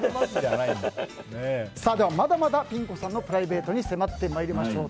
まだまだピン子さんのプライベートに迫ってまいりましょう。